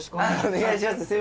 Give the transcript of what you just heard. お願いします